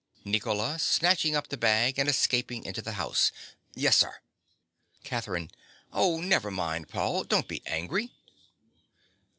NICOLA. (snatching up the bag, and escaping into the house). Yes, sir. CATHERINE. Oh, never mind, Paul, don't be angry!